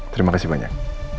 terima kasih banyak